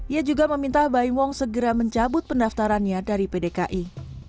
ia juga meminta baiwong segera mencabut pendaftarannya dari pdki